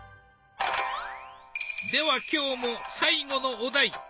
では今日も最後のお題！